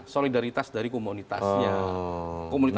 solidaritas dari komunitasnya